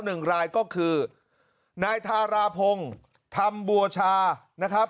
หนึ่งรายก็คือนายทาราพงศ์ธรรมบัวชานะครับ